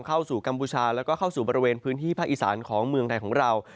กัมพูชาแล้วก็เข้าสู่บริเวณพื้นที่ภาคอีสานของเมืองไทยของเรา